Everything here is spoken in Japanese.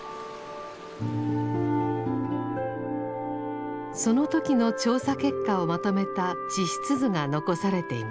その時の調査結果をまとめた地質図が残されています。